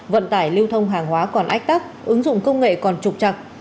vận tải lưu thông hàng hóa còn ách tắc ứng dụng công nghệ còn trục chặt